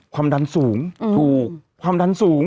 ความดันสูงถูกความดันสูง